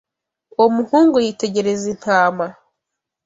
Uwo muhungu yitegereza intama.